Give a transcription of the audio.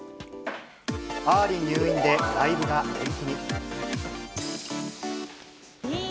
あーりん入院で、ライブが延期に。